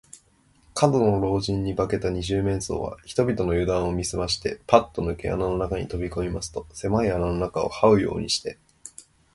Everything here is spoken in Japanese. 門野老人に化けた二十面相は、人々のゆだんを見すまして、パッとぬけ穴の中にとびこみますと、せまい穴の中をはうようにして、